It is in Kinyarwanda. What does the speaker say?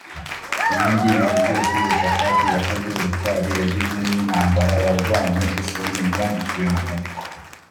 Ibindi bintu byose Yehoshafati yakoze ubutwari yagize n intambara yarwanye ese ntibyanditse munyandiko